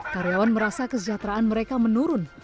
karyawan merasa kesejahteraan mereka menurun